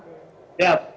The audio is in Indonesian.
makasih banyak pak